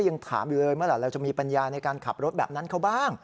ยังถามอยู่เลยเมื่อไหร่เราจะมีปัญญาในการขับรถแบบนั้นเขาบ้าง